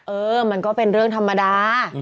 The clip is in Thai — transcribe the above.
เออมันก็เป็นเรื่องธรรมดา